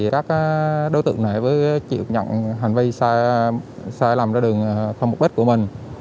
các đối tượng này chịu nhận hành vi sai lầm ra đường không mục đích của mình